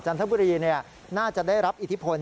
ทบุรีน่าจะได้รับอิทธิพล